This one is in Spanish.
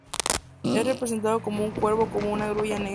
Es representado como un cuervo o una grulla negra.